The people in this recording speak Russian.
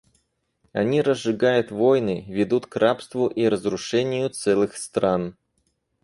Они разжигают войны, ведут к рабству и разрушению целых стран.